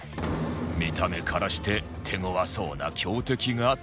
見た目からして手ごわそうな強敵が登場